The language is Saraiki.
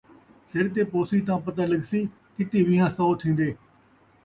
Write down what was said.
سر تے پوسی تاں پتہ لڳسی کِتّی ویہاں سو تھین٘دے